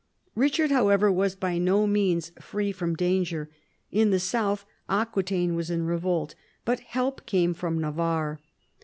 Eichard, however, was by no means free from danger. In the south, Aquitaine was in revolt, but help came from Navarre.